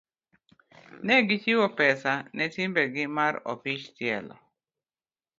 ne gichiwo pesa ne timbegi mar opich tielo.